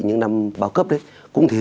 những năm bao cấp đấy cũng thế